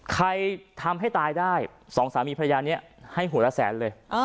ใครทำให้ตายได้สองสามีพระยานี้ให้หัวละแสนเลย